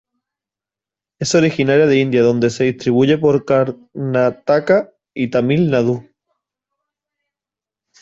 Es originaria de India donde se distribuye por Karnataka y Tamil Nadu.